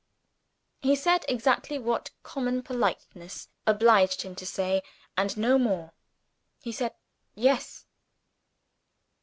He said exactly what common politeness obliged him to say, and no more he said, "Yes."